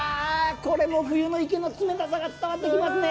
これも冬の池の冷たさが伝わって来ますね。